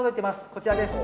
こちらです。